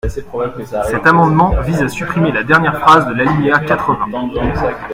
Cet amendement vise à supprimer la dernière phrase de l’alinéa quatre-vingts.